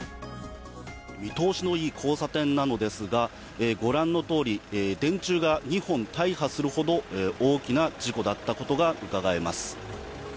見通しのいい交差点なのですが、ご覧のとおり、電柱が２本、大破するほど大きな事故だったことがうかがえます。